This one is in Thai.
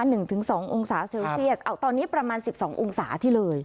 ๑๒องศาเซลเซียสตอนนี้ประมาณ๑๒องศาที่เลย